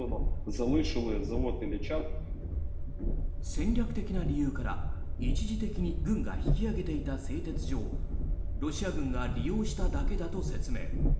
戦略的な理由から一時的に軍が引き上げていた製鉄所をロシア軍が利用しただけだと説明。